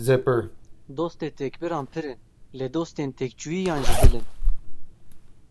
Dostê têkbiran pir in, lê dostên têkçûyiyan ji dil in.